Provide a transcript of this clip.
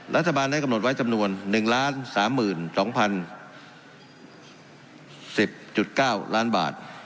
รัฐบาลได้กำหนดไว้จำนวน๑๓๒๐๑๐๙ล้านบาท